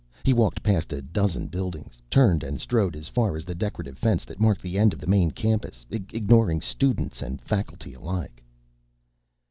He walked past a dozen buildings, turned and strode as far as the decorative fence that marked the end of the main campus, ignoring students and faculty alike.